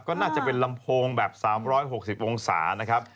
ก็น่าจะเป็นลำโพงแบบ๓๖๐องศานะครับ